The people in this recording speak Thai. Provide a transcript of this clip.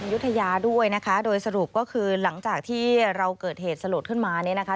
ยุธยาด้วยนะคะโดยสรุปก็คือหลังจากที่เราเกิดเหตุสลดขึ้นมาเนี่ยนะคะ